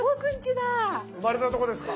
生まれたとこですか？